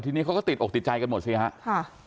ทีนี้เขาก็ติดอกติดใจกันหมดสิครับ